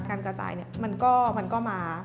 การกระจายมันก็มา